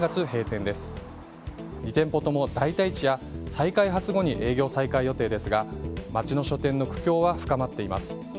２店舗とも代替地や再開発後に営業再開予定ですが町の書店の苦境は深まっています。